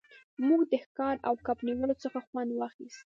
موږ د ښکار او کب نیولو څخه خوند واخیست